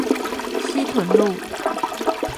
西屯路